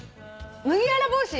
麦わら帽子？